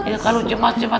ya kalau cemas cemas